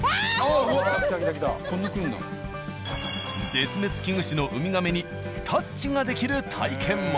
絶滅危惧種のウミガメにタッチができる体験も。